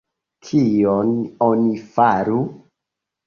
Kion oni faru?